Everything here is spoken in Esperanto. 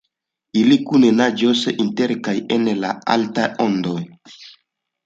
Ili kune naĝos, inter kaj en la altaj ondoj.